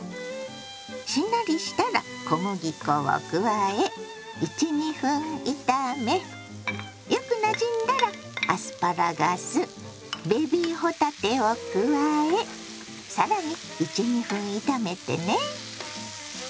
しんなりしたら小麦粉を加え１２分炒めよくなじんだらアスパラガスベビー帆立てを加え更に１２分炒めてね。